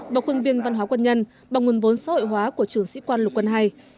và khuôn viên văn hóa quân nhân bằng nguồn vốn xã hội hóa của trường sĩ quan lục quân ii